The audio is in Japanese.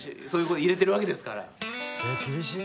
そういうとこに入れてるわけですから。